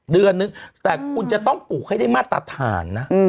เดือนนึงแต่คุณจะต้องปลูกให้ได้มาตรฐานนะ